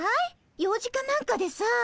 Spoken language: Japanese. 用事かなんかでさ。